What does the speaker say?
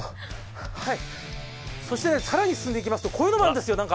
更に進んでいきますと、こういうのもあるんですよ。